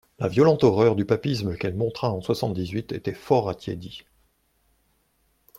La violente horreur du papisme qu'elle montra en soixante-dix-huit était fort attiédie.